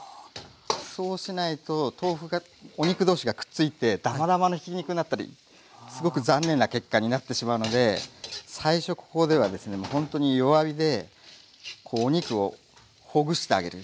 そうしないと豆腐がお肉どうしがくっついてダマダマのひき肉になったりすごく残念な結果になってしまうので最初ここではですねもうほんとに弱火でこうお肉をほぐしてあげる。